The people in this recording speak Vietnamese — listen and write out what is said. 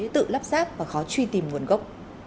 tự lắp ráp và khó truy tìm nguồn gốc